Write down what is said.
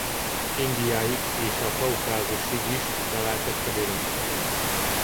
Indiáig és a Kaukázusig is találtak feliratokat.